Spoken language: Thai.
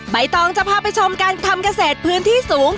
ใบตองจะพาไปชมการทำเกษตรพื้นที่สูง